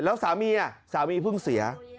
แล้วสามีสามีเพิ่งเสีย